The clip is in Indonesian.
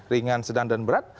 ringan sedang dan berat